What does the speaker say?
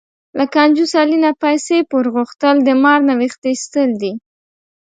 له کنجوس علي نه پیسې پور غوښتل، د مار نه وېښته ایستل دي.